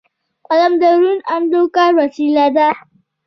قلم د روڼ اندو کار وسیله ده